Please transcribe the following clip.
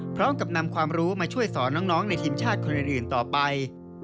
พร้อมกับนำความรู้มาช่วยสอนน้องในทีมชาติคนอื่นต่อไป